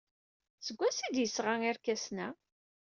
Seg wansi ay d-yesɣa irkasen-a?